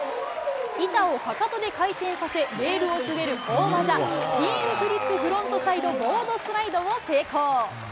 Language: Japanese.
板をかかとで回転させ、レールを滑る大技、ヒールフリップフロントサイドボードスライドを成功。